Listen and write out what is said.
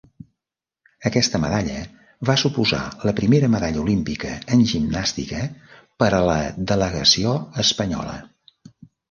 Aquesta medalla va suposar la primera medalla olímpica en gimnàstica per a la delegació espanyola.